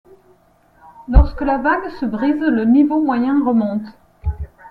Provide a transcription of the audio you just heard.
Lorsque la vague se brise, le niveau moyen remonte.